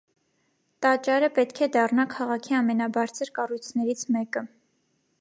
Տաճարը պետք է դառնա քաղաքի ամենաբարձր կառույցներից մեկը։